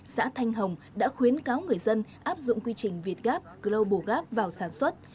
xã thanh hồng đã khuyến cáo người dân áp dụng quy trình việt gap global gap vào sản xuất